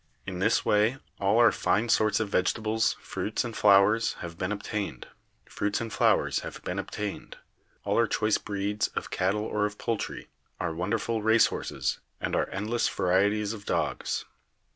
In this way all our fine sorts of vegetables, fruits and flowers have been obtained, all our choice breeds of cattle or of poultry, our wonderful race horses and our endless varieties of dogs.